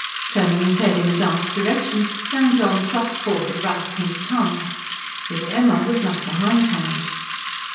Turning his head in his aunt's direction young John thrust forth a bright pink tongue. Little Emma was not behindhand.